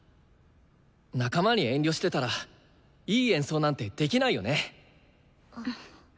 仲間に遠慮してたらいい演奏なんてできないよね。